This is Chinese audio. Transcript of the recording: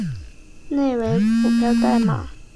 内为股票代码